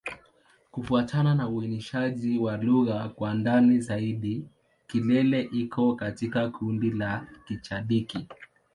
Kufuatana na uainishaji wa lugha kwa ndani zaidi, Kilele iko katika kundi la Kichadiki.